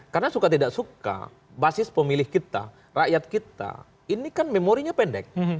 karena suka tidak suka basis pemilih kita rakyat kita ini kan memorinya pendek